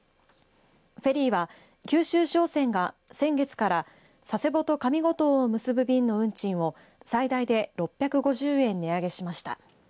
フェリーは九州商船が先月から佐世保と上五島を結ぶ便の運賃を最大で６５０円値上げしました。